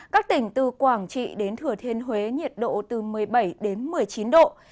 các tỉnh từ quảng trị đến thừa thiên huế nhiệt độ từ một mươi bảy đến một mươi chín độ